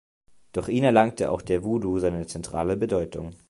Durch ihn erlangte auch der Voodoo seine zentrale Bedeutung.